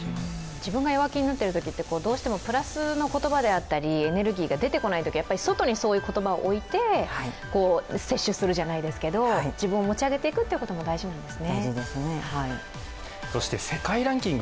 自分が弱気になってるときって、プラスの言葉であったりエネルギーが出てこないときやっぱり外にそういう言葉を置いて摂取するじゃないですけど、自分を持ち上げていくことも大事なんですね。